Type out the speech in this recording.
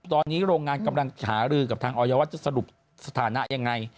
ตอนนี้โรงงานกำลังหารือกับทางออยว่าจะสรุปสถานะยังไง